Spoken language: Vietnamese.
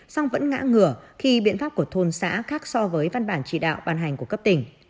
song vẫn ngã ngửa khi biện pháp của thôn xã khác so với văn bản chỉ đạo bàn hành của cấp tỉnh